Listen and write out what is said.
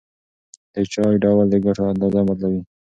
د چای ډول د ګټو اندازه بدلوي.